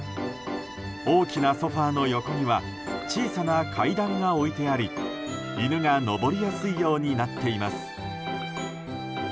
大きなソファの横には小さな階段が置いてあり犬が上りやすいようになっています。